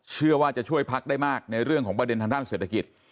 เชื่อว่าจะช่วยพักได้มากในเรื่องของประเด็นทางด้านเศรษฐกิจ